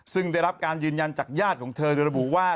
ซึ่งได้รับการยืนยันจากญาติของเธอโดยระบุว่า